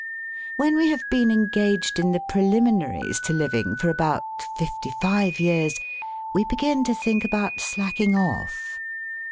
When we have been engaged in the preliminaries to living for about fifty five years, we begin to think about slacking off.